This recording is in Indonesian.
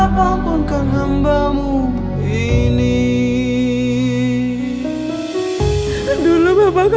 siapa yang menyebutnya bapak